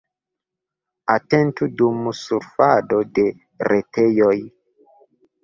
Atentu dum surfado de retejoj.